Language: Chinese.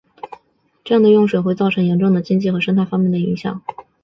这样的用水会造成严重的经济和生态方面的影响。